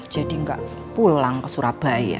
jadi gak pulang ke surabaya